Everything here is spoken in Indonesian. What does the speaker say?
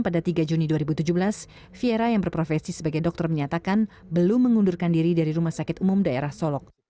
pada tiga juni dua ribu tujuh belas viera yang berprofesi sebagai dokter menyatakan belum mengundurkan diri dari rumah sakit umum daerah solok